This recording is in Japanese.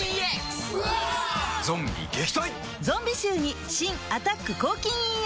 ゾンビ臭に新「アタック抗菌ＥＸ」